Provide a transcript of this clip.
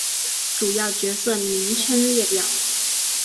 主要角色名称列表。